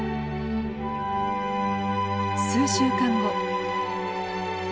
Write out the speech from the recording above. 数週間後。